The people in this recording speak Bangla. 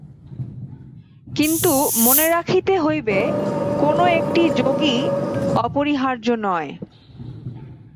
কিন্তু মনে রাখিতে হইবে, কোন একটি যোগই অপরিহার্য নয়।